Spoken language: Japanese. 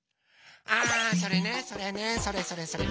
あそれねそれねそれそれそれ。